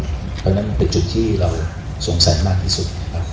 เพราะฉะนั้นมันเป็นจุดที่เราสงสัยมากที่สุด